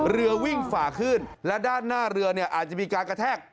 เรือวิ่งฝ่าขึ้นและด้านหน้าเรือเนี่ยอาจจะมีการกระแทก